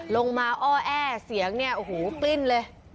มาอ้อแอเสียงเนี่ยโอ้โหปลิ้นเลย